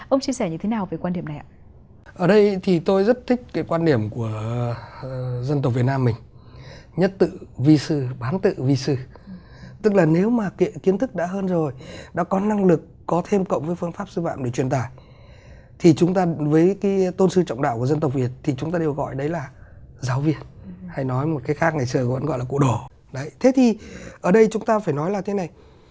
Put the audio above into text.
ông chia sẻ như thế nào về quan điểm này ạ